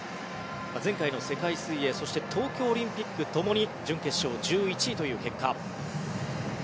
前回の世界水泳そして、東京オリンピックともに準決勝１１位という結果。